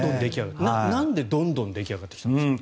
なんでどんどん出来上がってきたんですか。